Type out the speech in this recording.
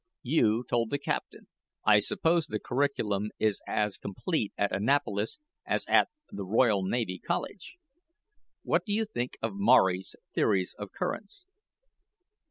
"You told the captain. I suppose the curriculum is as complete at Annapolis as at the Royal Naval College. What do you think of Maury's theories of currents?"